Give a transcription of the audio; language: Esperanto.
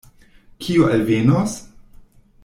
Kio alvenos?